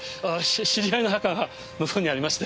知り合いの墓が向こうにありまして。